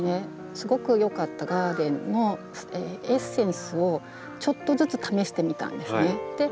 すごく良かったガーデンのエッセンスをちょっとずつ試してみたんですね。